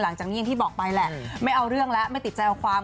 หลังจากนี้อย่างที่บอกไปแหละไม่เอาเรื่องแล้วไม่ติดใจเอาความ